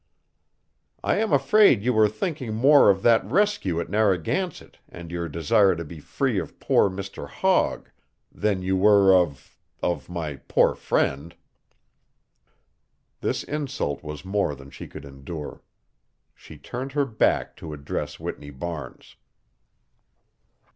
"I am afraid you were thinking more of that rescue at Narragansett and your desire to be free of poor Mr. Hogg than you were of of my poor friend." This insult was more than she could endure. She turned her back to address Whitney Barnes.